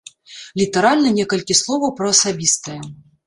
Літаральна некалькі словаў пра асабістае.